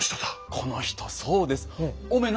この人そうです。